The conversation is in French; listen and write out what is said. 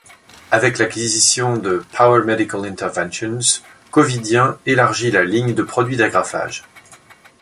Avec l’acquisition de Power Medical Interventions, Covidien élargit la ligne de produits d'agrafage.